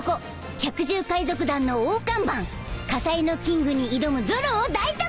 百獣海賊団の大看板火災のキングに挑むゾロを大特集！